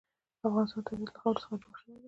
د افغانستان طبیعت له خاوره څخه جوړ شوی دی.